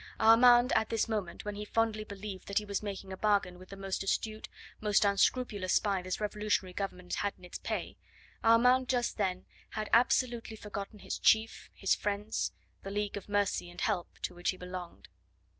Armand at this moment, when he fondly believed that he was making a bargain with the most astute, most unscrupulous spy this revolutionary Government had in its pay Armand just then had absolutely forgotten his chief, his friends, the league of mercy and help to which he belonged.